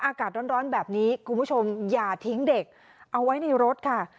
อากาศร้อนแบบนี้คุณผู้ชมอย่าทิ้งเด็กเอาไว้ในรถค่ะ